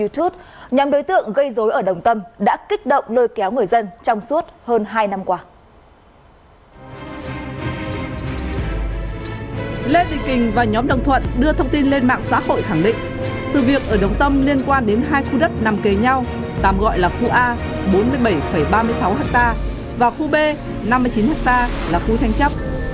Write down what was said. trước thông tin lên mạng xã hội khẳng định sự việc ở đồng tâm liên quan đến hai khu đất nằm kề nhau tạm gọi là khu a bốn mươi bảy ba mươi sáu ha và khu b năm mươi chín ha là khu tranh chấp